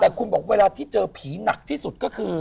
แต่คุณบอกเวลาที่เจอผีหนักที่สุดก็คือ